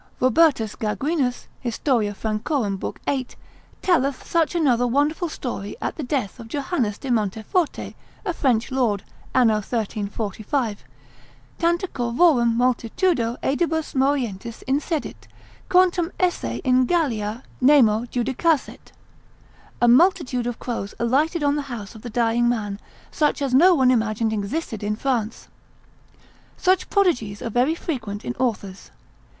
Rob. Gaguinus, hist. Franc. lib. 8, telleth such another wonderful story at the death of Johannes de Monteforti, a French lord, anno 1345, tanta corvorum multitudo aedibus morientis insedit, quantam esse in Gallia nemo judicasset (a multitude of crows alighted on the house of the dying man, such as no one imagined existed in France). Such prodigies are very frequent in authors.